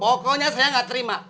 pokoknya saya gak terima